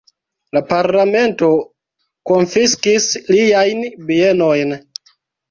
La Parlamento konfiskis liajn bienojn.